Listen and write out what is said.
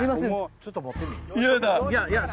ちょっと持ってみいや。